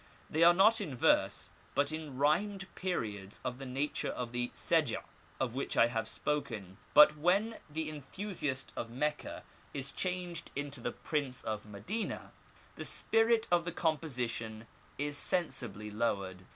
They are not in verse, but in rhymed periods of the nature of the seja of which I have spoken. But when 24 The Arabic Language. the enthusiast of Mecca is changed into the Prince of Medina, the spirit of the composition is sensibly lowered.